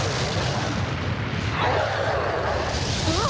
あっ！